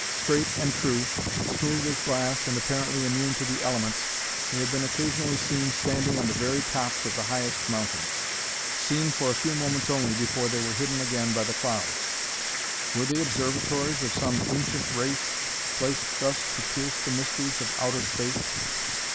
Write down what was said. Straight and true, smooth as glass and apparently immune to the elements, they had been occasionally seen standing on the very tops of the highest mountains seen for a few moments only before they were hidden again by the clouds. Were they observatories of some ancient race, placed thus to pierce the mysteries of outer space?